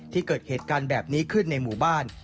เกิดเหตุการณ์แบบนี้ขึ้นในหมู่บ้าน